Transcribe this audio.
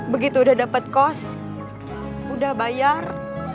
begitu udah dapet kos udah bayar